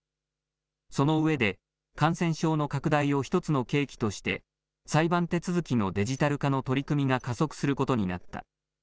その上で、感染症の拡大を一つの契機として、裁判手続きのデジタル化の取り組みが加速することになった。